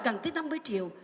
gần tới năm mươi triệu